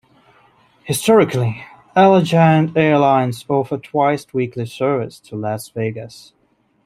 Historically, Allegiant Airlines offered twice weekly service to Las Vegas.